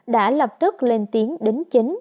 đã lập tức lên tiếng đính chính